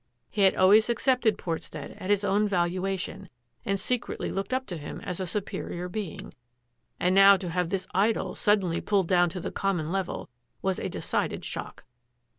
He had always accepted Portstead at his own valuation and secretly looked up to him as to a superior being, and now to have this idol suddenly pulled down to the common level was a decided shock.